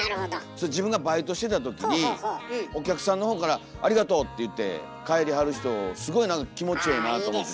それ自分がバイトしてた時にお客さんの方から「ありがとう」って言って帰りはる人すごい何か気持ちええなと思って。